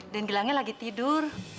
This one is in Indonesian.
dan gilangnya lagi tidur